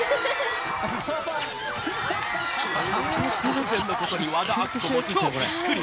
突然のことに和田アキ子も超ビックリ！